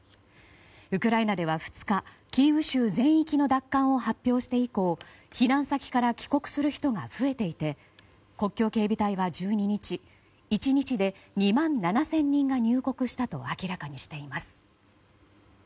ウクライナでは２日キーウ州全域の奪還を発表して以降避難先から帰国する人が増えていて国境警備隊は１２日１日で２万７０００人が入国したと明らかにしています。